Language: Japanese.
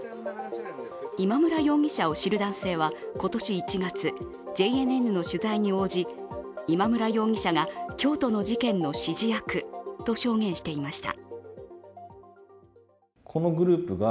今村容疑者を知る男性は今年１月、ＪＮＮの取材に応じ、今村容疑者が京都の事件の指示役と証言していました。